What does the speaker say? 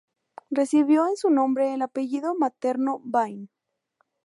Recibió en su nombre el apellido materno Bain.